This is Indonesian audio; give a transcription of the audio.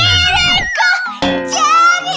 ingin diriku jadi